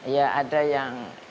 ya ada yang